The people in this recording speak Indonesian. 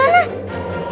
kamu sudah menjadi milikku